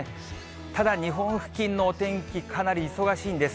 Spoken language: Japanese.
ただ日本付近のお天気、かなり忙しいんです。